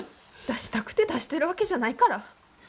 出したくて出してるわけじゃないから。